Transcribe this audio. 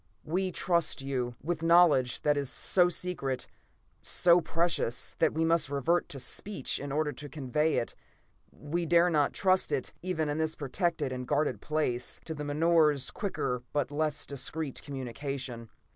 We trust you with knowledge that is so secret, so precious, that we must revert to speech in order to convey it; we dare not trust it, even in this protected and guarded place, to the menore's quicker but less discreet communication."